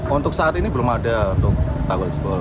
untuk saat ini belum ada untuk tanggul schol